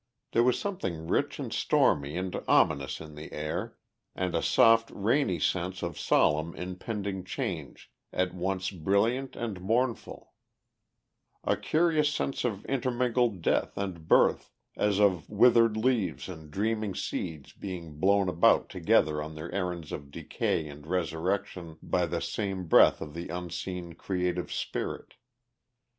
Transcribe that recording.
There was something rich and stormy and ominous in the air, and a soft rainy sense of solemn impending change, at once brilliant and mournful; a curious sense of intermingled death and birth, as of withered leaves and dreaming seeds being blown about together on their errands of decay and resurrection by the same breath of the unseen creative spirit.